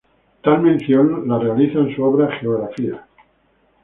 Tal mención la realiza en su obra "Geografía".